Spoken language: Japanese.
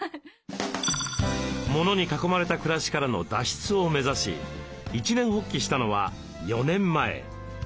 モノに囲まれた暮らしからの脱出を目指し一念発起したのは４年前。